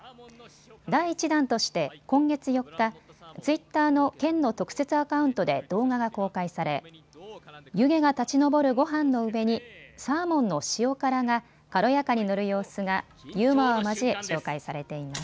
第１弾として今月４日、ツイッターの県の特設アカウントで動画が公開され湯気が立ち上るごはんの上にサーモンの塩辛が軽やかに載る様子がユーモアを交え紹介されています。